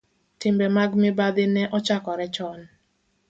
Timbe mag mibadhi ne ochakore chon,